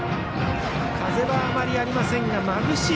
風は余りありませんがまぶしい